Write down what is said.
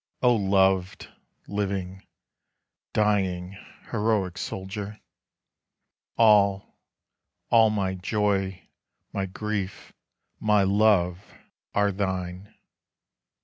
O loved, living, dying, heroic soldier, All, all, my joy, my grief, my love, are thine!